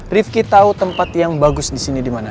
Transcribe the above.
rifqi tau tempat yang bagus disini dimana